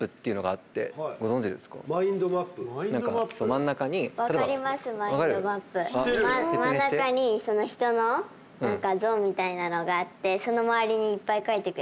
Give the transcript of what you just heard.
真ん中に人の何か像みたいなのがあってその周りにいっぱい書いてくやつですね。